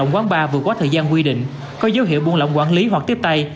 quán bar vừa quá thời gian quy định có dấu hiệu buôn lỏng quản lý hoặc tiếp tay